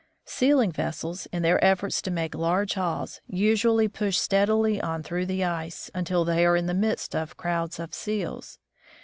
Sealing vessels, in their efforts to make large hauls, usually push steadily on through the ice, until they are in the midst of crowds of seals.